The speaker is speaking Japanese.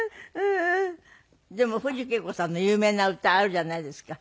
でも藤圭子さんの有名な歌あるじゃないですか。